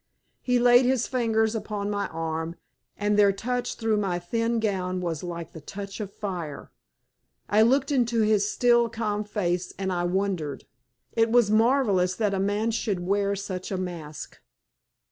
He laid his fingers upon my arm, and their touch through my thin gown was like the touch of fire. I looked into his still, calm face, and I wondered. It was marvellous that a man should wear such a mask.